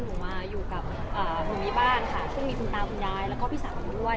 หนูมาอยู่กับหนูในบ้านค่ะซึ่งมีคุณตาคุณยายแล้วก็พี่สาวหนูด้วย